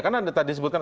kan anda tadi sebutkan